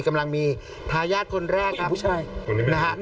กำลังมีทายาทคนแรกผู้ชาย